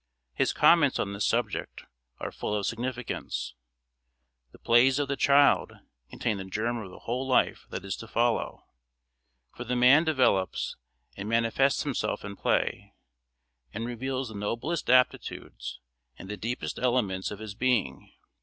His comments on this subject are full of significance: "The plays of the child contain the germ of the whole life that is to follow; for the man develops and manifests himself in play, and reveals the noblest aptitudes and the deepest elements of his being.